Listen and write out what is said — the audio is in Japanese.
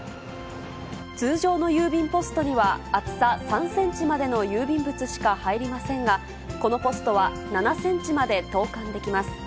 通常の郵便ポストには、厚さ３センチまでの郵便物しか入りませんが、このポストは、７センチまで投かんできます。